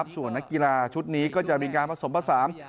ส่วนนักกีฬาชุดนี้ก็จะมีการผสมผสาน